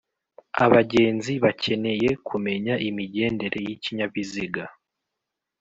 abagenzi bakeneye kumenya imigendere y'ikinyabiziga.